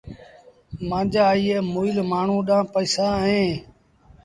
مآݩجآ ايٚئي مُئيٚل مآڻهوٚٚݩ ڏآݩهݩ پئيٚسآ اهيݩ